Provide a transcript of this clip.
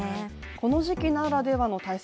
この時期ならではの対策